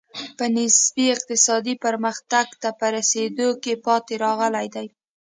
په نسبي اقتصادي پرمختګ ته په رسېدو کې پاتې راغلي دي.